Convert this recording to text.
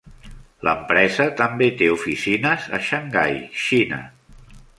L'empresa també té oficines a Shanghai, Xina.